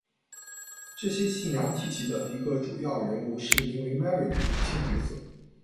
这种信仰体系的一个主要人物是名为 Mari 的女性角色。